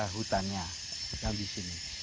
hutannya yang di sini